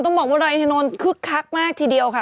บอกว่าดอยอินทนนท์คึกคักมากทีเดียวค่ะ